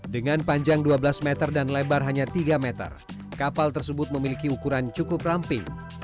dengan panjang dua belas meter dan lebar hanya tiga meter kapal tersebut memiliki ukuran cukup ramping